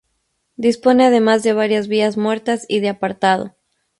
Dispone además de varias vías muertas y de apartado.